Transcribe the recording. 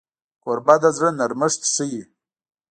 کوربه د زړه نرمښت ښيي.